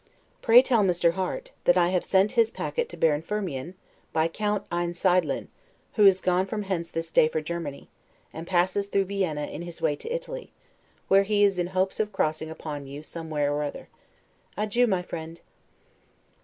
Pray tell Mr. Harte, that I have sent his packet to Baron Firmian by Count Einsiedlen, who is gone from hence this day for Germany, and passes through Vienna in his way to Italy; where he is in hopes of crossing upon you somewhere or other. Adieu, my friend.